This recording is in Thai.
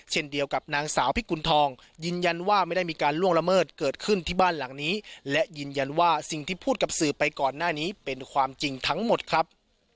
เช่นเดียวกับนางสาวพิกุณฑองยืนยันว่าไม่ได้มีการล่วงละเมิดเกิดขึ้นที่บ้านหลังนี้และยืนยันว่าสิ่งที่พูดกับสื่อไปก่อนหน้านี้เป็นความจริงทั้งหมดครับ